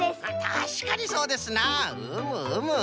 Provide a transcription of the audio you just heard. たしかにそうですなうむうむ。